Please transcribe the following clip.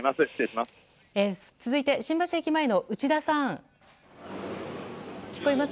続いて新橋駅前の内田さん。